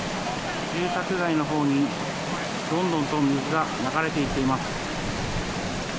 住宅街のほうにどんどんと水が流れていっています。